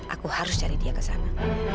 aku harus cari dia ke sana